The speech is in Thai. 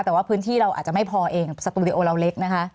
แต่ว่าพื้นที่เราอาจจะไม่พอเองสตูดิโอเราเล็กนะคะ